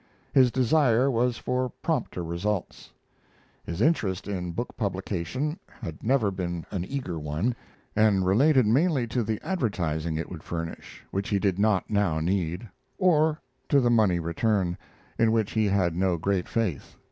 His desire was for prompter results. His interest in book publication had never been an eager one, and related mainly to the advertising it would furnish, which he did not now need; or to the money return, in which he had no great faith.